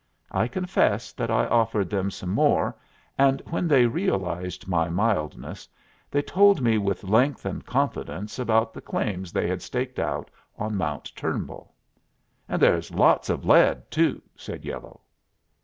I confess that I offered them some more, and when they realized my mildness they told me with length and confidence about the claims they had staked out on Mount Turnbull. "And there's lots of lead, too," said yellow.